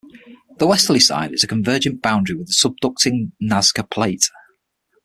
The westerly side is a convergent boundary with the subducting Nazca Plate.